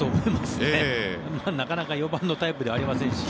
なかなか４番のタイプではありませんし。